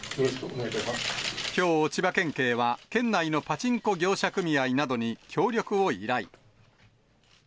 きょう、千葉県警は県内のパチンコ業者組合などに協力を依頼。